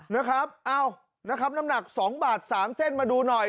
นี่ครับน้ำหนัก๒บาท๓เส้นมาดูหน่อย